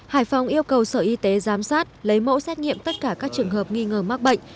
hải phòng yêu cầu sở y tế giám sát lấy mẫu xét nghiệm tất cả các trường hợp nghi ngờ mắc bệnh